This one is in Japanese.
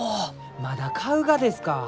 まだ買うがですか？